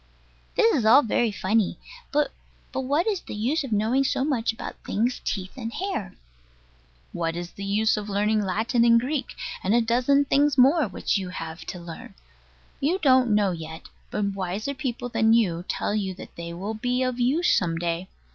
This is all very funny: but what is the use of knowing so much about things' teeth and hair? What is the use of learning Latin and Greek, and a dozen things more which you have to learn? You don't know yet: but wiser people than you tell you that they will be of use some day.